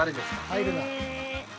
入るな。